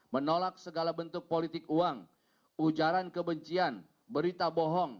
menolak segala bentuk politik uang ujaran kebencian berita bohong